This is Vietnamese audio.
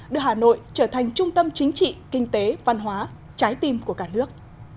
đưa hà nội trở thành trung tâm chính trị kinh tế văn hóa trái tim của cả nước